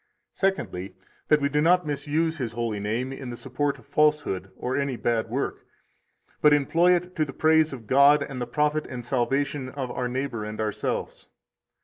Secondly, that we do not misuse His holy name in the support of falsehood or any bad work, but employ it to the praise of God and the profit and salvation of our neighbor and ourselves.